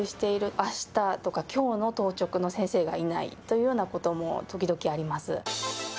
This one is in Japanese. あしたとかきょうの当直の先生がいないというようなことも時々あります。